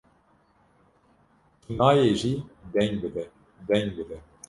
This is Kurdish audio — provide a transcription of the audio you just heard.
Tu nayê jî deng bide! deng bide!